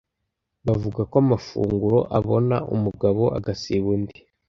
bavuga ko amafunguro abona umugabo agasiba undi.